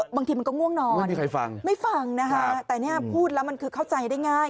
บางทีมันก็ง่วงนอนไม่ฟังนะคะแต่เนี่ยพูดแล้วมันคือเข้าใจได้ง่าย